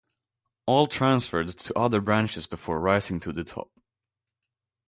All transferred to other branches before rising to the top.